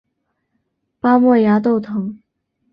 巴莫崖豆藤